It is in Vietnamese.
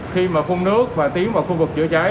khi mà phun nước và tiến vào khu vực chữa cháy